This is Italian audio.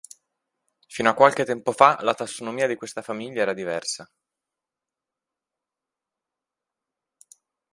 Fino a qualche tempo fa la tassonomia di questa famiglia era diversa.